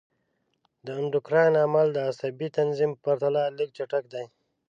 د اندوکراین عمل د عصبي تنظیم په پرتله لږ چټک دی.